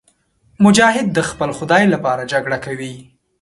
مجاهد د خپل خدای لپاره جګړه کوي.